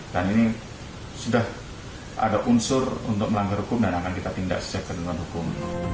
dan ini sudah ada unsur untuk melanggar hukum dan akan kita tindak sejak kemudian hukum